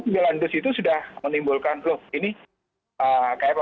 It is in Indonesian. sembilan bus itu sudah menimbulkan loh ini kayak apa